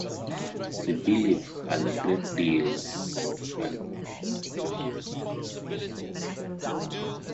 The belief has a great deal of antiquity on its side.